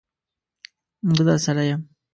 زه درسره یم.